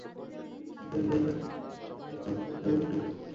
এটি হলো ঈদে ঘরমুখী মানুষের দূরপাল্লার বাসের অগ্রিম টিকিট কেনার প্রতিযোগিতা।